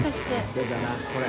出たなこれ。